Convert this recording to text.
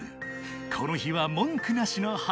［この日は文句なしの晴れ］